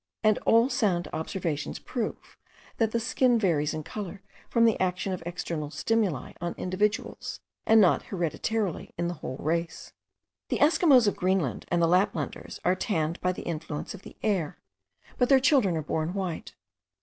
and all sound observations prove, that the skin varies in colour from the action of external stimuli on individuals, and not hereditarily in the whole race. The Esquimaux of Greenland and the Laplanders are tanned by the influence of the air; but their children are born white.